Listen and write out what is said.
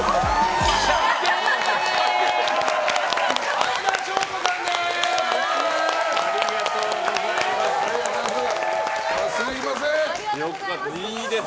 相田翔子さんです。